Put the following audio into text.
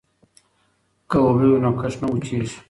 که اوبه وي نو کښت نه وچيږي.